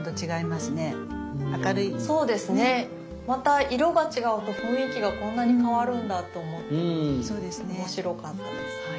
また色が違うと雰囲気がこんなに変わるんだと思って面白かったです。